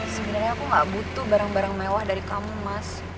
sebenarnya aku gak butuh barang barang mewah dari kamu mas